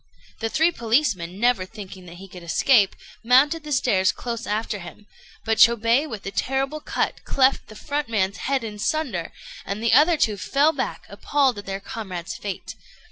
The three policemen, never thinking that he could escape, mounted the stairs close after him; but Chôbei with a terrible cut cleft the front man's head in sunder, and the other two fell back appalled at their comrade's fate.